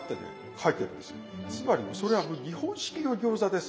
つまりそれは日本式の餃子です。